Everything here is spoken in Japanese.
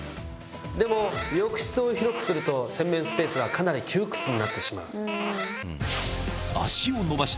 でも浴室を広くすると洗面スペースはかなり窮屈になってしまう。